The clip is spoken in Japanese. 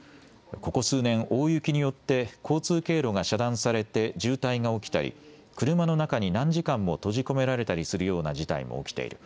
ここ数年、大雪によって交通経路が遮断されて渋滞が起きたり車の中に何時間も閉じ込められたりするような事態も起きている。